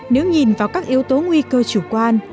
nếu nhìn vào các yếu tố nguy cơ chủ quan